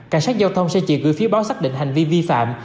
cảnh sát giao thông sẽ chỉ gửi phiếu báo xác định hành vi vi phạm